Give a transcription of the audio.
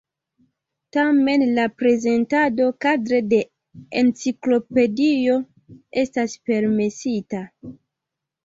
Tamen la prezentado kadre de enciklopedio estas permesita.